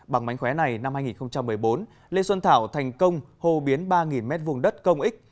bằng mánh khóe này năm hai nghìn một mươi bốn lê xuân thảo thành công hồ biến ba m hai đất công ích